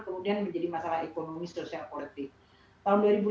kemudian menjadi masalah ekonomi sosial politik